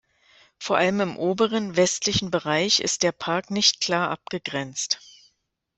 Vor allem im oberen, westlichen Bereich ist der Park nicht klar abgegrenzt.